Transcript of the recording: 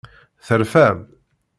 Terfam?